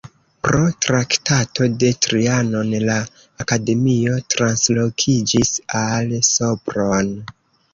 Pro Traktato de Trianon la akademio translokiĝis al Sopron.